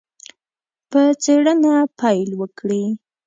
په څېړنه پیل وکړي.